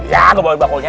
ya gue bawain bakulnya